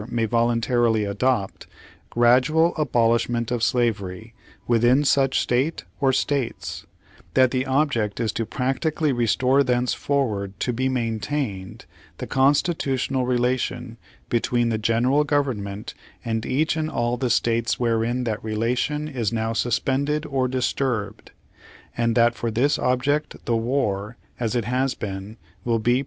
ay voluntarily adopt gradual abolishment of slavery within such State or States; that the object is to practically restore thence forward to be maintained the constitutional relation be tween the General Government and each and all the States wherein that relation is now suspended or disturbed; and that for this object the war, as it has been, will be prose 'Abraham Lincoln: A History.